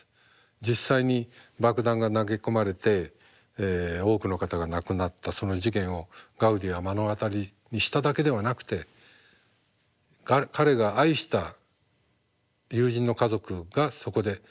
実際に爆弾が投げ込まれて多くの方が亡くなったその事件をガウディは目の当たりにしただけではなくて彼が愛した友人の家族がそこで多く亡くなったんですよね。